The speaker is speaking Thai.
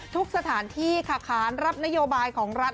ทุกสถานที่ค่ะขานรับนโยบายของรัฐ